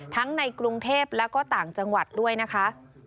ในกรุงเทพแล้วก็ต่างจังหวัดด้วยนะคะ